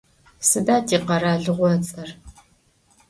Sıda tikheralığo ıts'er?